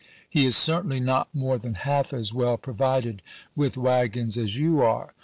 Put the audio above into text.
He is certainly not more than half as well pro vided with wagons as you are.